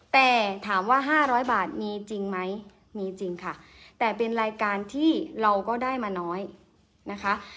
แต่ถามว่า๕๐๐บาทมีจริงไหมมีจริงค่ะแต่เป็นรายการที่เราก็ได้มาน้อยนะคะ